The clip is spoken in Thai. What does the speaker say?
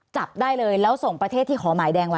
จับได้เลยแล้วส่งประเทศที่ขอหมายแดงไว้